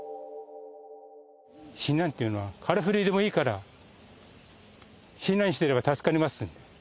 避難っていうのは、空振りでもいいから、避難してれば助かりますんで。